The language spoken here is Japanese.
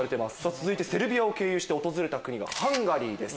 続いてセルビアを経由して訪れた国がハンガリーです。